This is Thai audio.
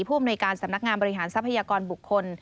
ผู้อำนวยการสำนักงานบริหารทรัพยากรบุคคล